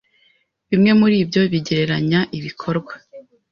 bimwe muri byo bigereranya ibikorwa